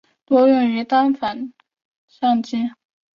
多用于单镜反光相机。